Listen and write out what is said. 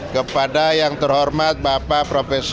kepada yang terhormat bapak prof